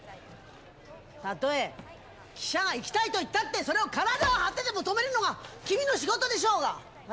たとえ記者が行きたいと言ったってそれを体を張ってでも止めるのが君の仕事でしょうが！